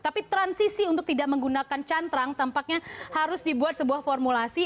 tapi transisi untuk tidak menggunakan cantrang tampaknya harus dibuat sebuah formulasi